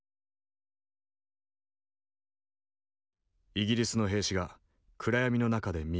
イギリスの兵士が暗闇の中で耳を澄ます。